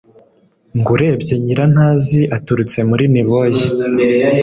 Ngo urebye nyernaziAturutse muri Niboye